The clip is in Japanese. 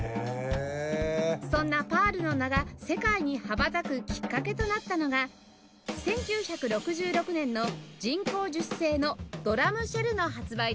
そんなパールの名が世界に羽ばたくきっかけとなったのが１９６６年の人工樹脂製のドラムシェルの発売です